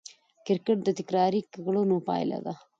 کرکټر د تکراري کړنو پایله ده.